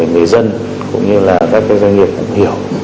người dân cũng như các doanh nghiệp hiểu